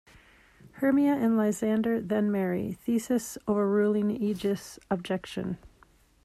Hermia and Lysander then marry, Theseus overruling Egeus' objection.